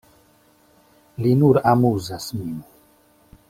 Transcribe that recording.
Li nur amuzas min.